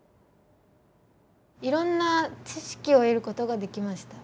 いろんな知識を得ることができました。